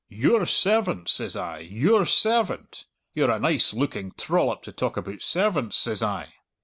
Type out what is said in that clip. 'Your servant!' says I 'your servant! You're a nice looking trollop to talk aboot servants,' says I."